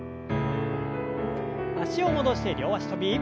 脚を戻して両脚跳び。